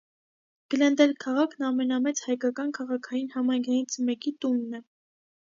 Գլենդել քաղաքն ամենամեծ հայկական քաղաքային համայնքներից մեկի տունն է։